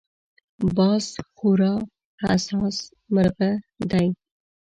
باز خورا حساس مرغه دی